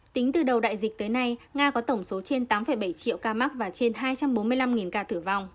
tính từ đầu đại dịch tới nay nga có tổng số trên tám bảy triệu ca mắc và trên hai trăm bốn mươi năm ca tử vong